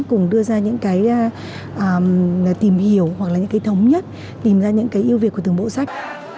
cùng đưa ra những cái tìm hiểu hoặc là những cái thống nhất tìm ra những cái ưu việt của từng bộ sách